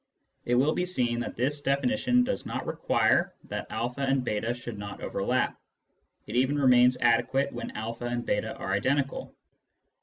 It will be seen that this de finition does not require that a and j8 should not overlap ; it even remains adequate when a and j8 are identical.